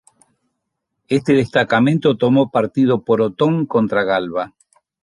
Este destacamento tomó partido por Otón contra Galba.